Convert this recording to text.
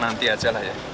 nanti aja lah ya